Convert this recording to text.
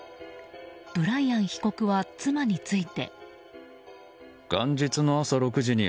ブライアン被告は妻について。